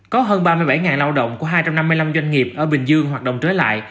có hơn ba mươi bảy lao động của hai trăm năm mươi năm doanh nghiệp ở bình dương hoạt động trở lại